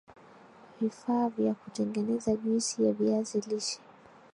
vifaa vya kutengeneza juisi ya viazi lishe